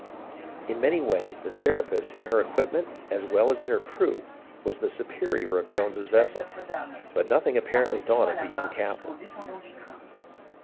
In many ways the Serapis in her equipment as well as in her crew was the superior of Jones's vessel, but nothing apparently daunted the young captain.